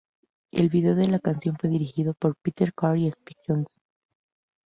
El vídeo de la canción fue dirigido por Peter Care y Spike Jonze.